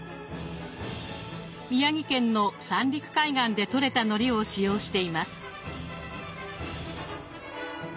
宮城県の三陸海岸でとれたのりを使用しています。